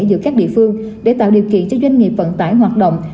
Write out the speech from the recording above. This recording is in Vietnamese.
giữa các địa phương để tạo điều kiện cho doanh nghiệp vận tải hoạt động